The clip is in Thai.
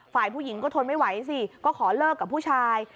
ฝ่ายผู้หญิงก็ทนไม่ไหวสิก็ขอเลิกกับผู้ชาย